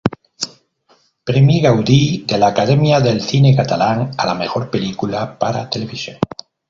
Premi Gaudí de la Academia del Cine Catalán a la Mejor Película para Televisión.